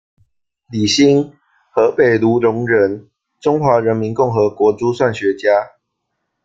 李新，河北卢龙人，中华人民共和国珠算学家。